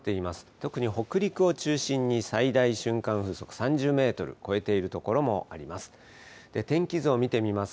特に北陸を中心に最大瞬間風速３０メートルを超えている所もあります。